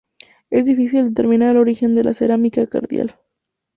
Es difícil determinar el origen de la cerámica cardial.